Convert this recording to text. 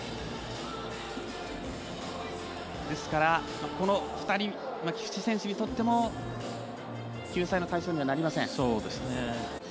ですからこの２人菊池選手にとっても救済の対象にはなりません。